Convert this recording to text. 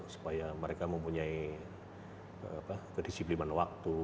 supaya mereka mempunyai kedisiplinan waktu